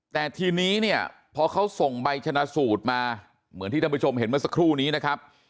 แต่ทีนี้เนี่ยพอเขาส่งใบชนะสูตรมาเหมือนที่ท่านผู้ชมเห็นเมื่อสักครู่นี้นะครับ